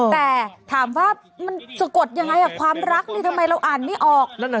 แต่ถามว่ามันสะกดยังไงความรักนี่ทำไมเราอ่านไม่ออก